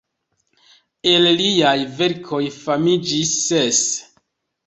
El liaj verkoj famiĝis ses.